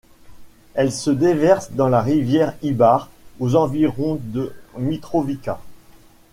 Elle se déverse dans la rivière Ibar aux environs de Mitrovica.